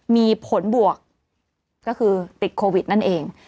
มีผลบวกก็คือติดโควิดนั่นเอง